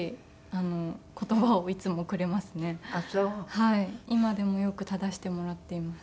はい今でもよく正してもらっています。